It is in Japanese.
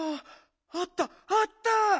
あったあった！